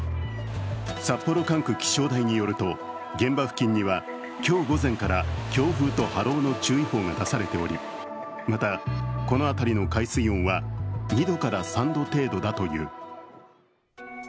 札幌管区気象台によると、現場付近には今日午前から強風と波浪の注意報が出されておりまた、この辺りの海水温は２度から３度程度だという。